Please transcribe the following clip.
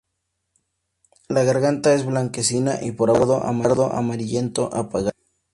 La garganta es blanquecina y por abajo es pardo amarillento apagado.